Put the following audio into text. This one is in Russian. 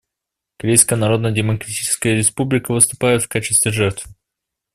Корейская Народно-Демократическая Республика выступает в качестве жертвы.